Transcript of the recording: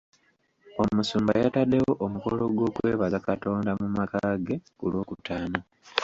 Omusumba yataddewo omukolo gw'okwebaza Katonda mu maka ge kulwokutaano.